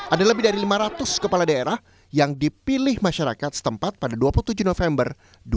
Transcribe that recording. ada lebih dari lima ratus kepala daerah yang dipilih masyarakat setempat pada dua puluh tujuh november dua ribu dua puluh